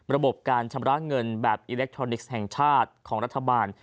ระบบการชำระเงินแบบอิเล็กทรอนิกส์แห่งชาติของรัฐบาล